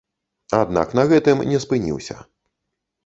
Аднак на гэтым не спыніўся.